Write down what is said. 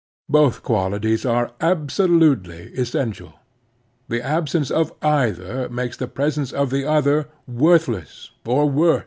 Both qualities are absolutely essential. The absence of either makes the presence of the other worth less or worse.